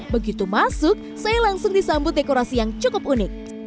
begitu masuk saya langsung disambut dekorasi yang cukup unik